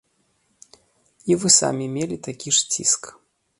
І вы самі мелі такі ж ціск.